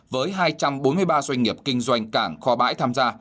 với hai trăm bốn mươi ba doanh nghiệp kinh doanh cảng kho bãi tham gia